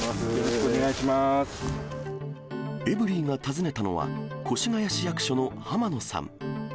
エブリィが訪ねたのは、越谷市役所の浜野さん。